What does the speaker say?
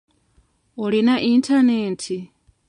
Olina yintanenti?